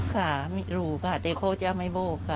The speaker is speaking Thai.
ค่ะไม่รู้ค่ะแต่เขาจะไม่โบกค่ะ